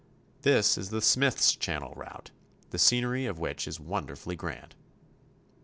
This is the Smythes Channel route, the scenery of which is wonderfully grand.